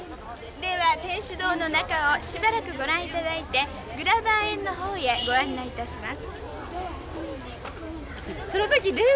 では天主堂の中をしばらくご覧頂いてグラバー園の方へご案内いたします。